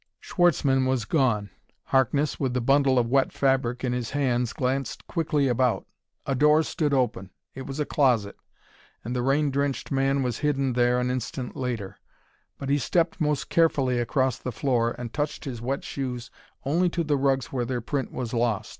Schwartzmann was gone. Harkness, with the bundle of wet fabric in his hands, glanced quickly about. A door stood open it was a closet and the rain drenched man was hidden there an instant later. But he stepped most carefully across the floor and touched his wet shoes only to the rugs where their print was lost.